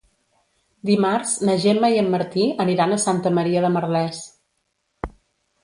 Dimarts na Gemma i en Martí aniran a Santa Maria de Merlès.